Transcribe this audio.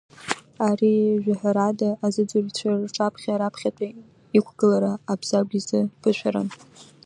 Ари, жәаҳәарада азыӡырҩцәа рҿаԥхьа раԥхьатәи иқәгылара Абзагә изы ԥышәаран.